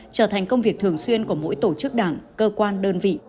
trở thành công việc thường xuyên của mỗi tổ chức đảng cơ quan đơn vị